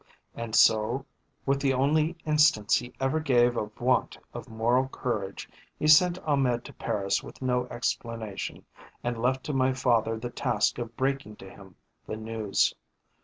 And so, with the only instance he ever gave of want of moral courage, he sent Ahmed to Paris with no explanation, and left to my father the task of breaking to him the news.